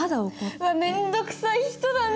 うわ面倒くさい人だね